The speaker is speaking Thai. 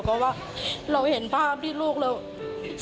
เพราะว่าเราเห็นภาพที่ลูกเรา